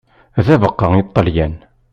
D abeqqa i Ṭalyan.